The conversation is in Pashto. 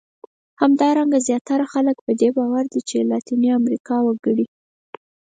همدارنګه زیاتره خلک په دې باور دي چې لاتیني امریکا وګړي.